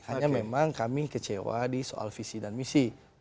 hanya memang kami kecewa di soal visi dan misi